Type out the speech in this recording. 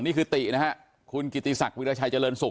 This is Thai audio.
นี่คือตินะครับท่านกิติสักวิจัยเจริญสุก